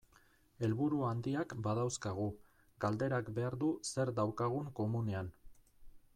Helburu handiak badauzkagu, galderak behar du zer daukagun komunean.